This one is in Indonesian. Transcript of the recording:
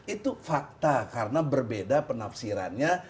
itu fakta karena berbeda penafsirannya